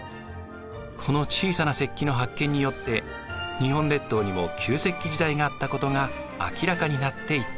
この小さな石器の発見によって日本列島にも旧石器時代があったことが明らかになっていったのです。